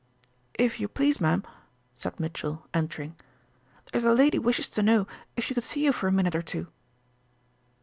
"If you please, m'm," said Mitchell, entering, "there's a lady wishes to know if she could see you for a minute or two."